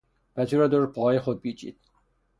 پتو را دور پاهای خود پیچید.